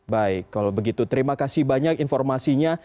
baik kalau begitu terima kasih banyak informasinya